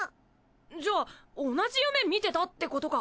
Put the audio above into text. じゃあ同じ夢見てたってことか？